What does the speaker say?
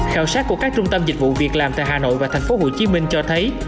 khảo sát của các trung tâm dịch vụ việc làm tại hà nội và thành phố hồ chí minh cho thấy